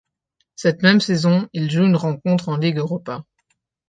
Cette même saison, il joue une rencontre en Ligue Europa.